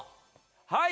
はい。